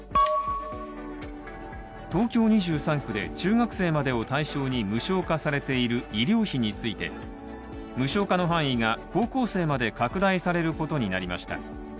東京２３区で中学生までを対象に無償化されている医療費について無償化の範囲が高校生まで拡大されることになりました。